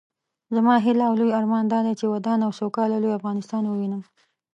زما هيله او لوئ ارمان دادی چې ودان او سوکاله لوئ افغانستان ووينم